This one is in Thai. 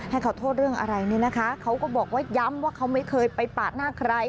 ให้เขาโทษเรื่องอะไรเนี่ยนะคะเขาก็บอกว่าย้ำว่าเขาไม่เคยไปปาดหน้าใคร